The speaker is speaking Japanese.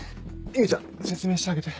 唯ちゃん説明してあげて。